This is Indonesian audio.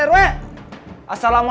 gak ada lah kamu